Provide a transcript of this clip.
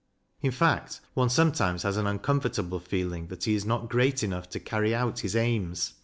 In fact, one sometimes has an uncomfortable feeling that he is not great enough to carry out his aims.